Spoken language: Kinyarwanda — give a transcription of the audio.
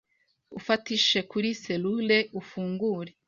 ufatishe kuri serrure ufungure.